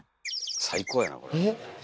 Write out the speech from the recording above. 最高やなこれ。